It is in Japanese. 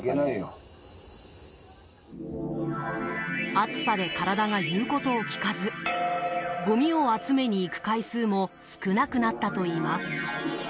暑さで体が言うことを聞かずごみを集めに行く回数も少なくなったといいます。